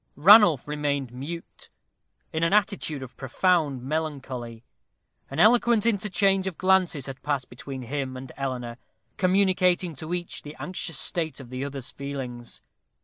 Ranulph remained mute, in an attitude of profound melancholy. An eloquent interchange of glances had passed between him and Eleanor, communicating to each the anxious state of the other's feelings.